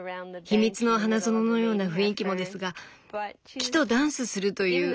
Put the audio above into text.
秘密の花園のような雰囲気もですが木とダンスするという